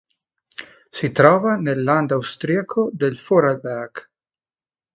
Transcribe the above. Si trova nel land austriaco del Vorarlberg.